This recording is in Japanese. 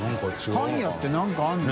パン屋って何かあるの？